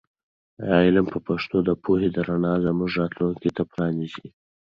علم په پښتو د پوهې د رڼا زموږ راتلونکي ته پرانیزي.